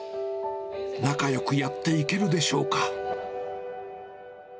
仲よくやっていけるでしょうか。